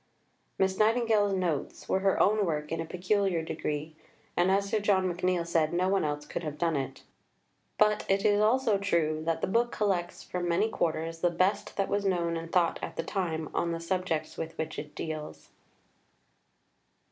Miss Nightingale's Notes were her own work in a peculiar degree and, as Sir John McNeill said, no one else could have done it. But it is also true that the book collects from many quarters the best that was known and thought at the time on the subjects with which it deals.